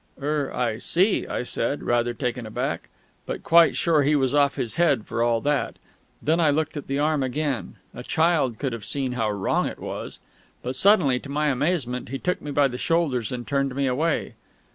"Er I see," I said, rather taken aback (but quite sure he was off his head for all that). Then I looked at the arm again; a child could have seen how wrong it was.... But suddenly, to my amazement, he took me by the shoulders and turned me away.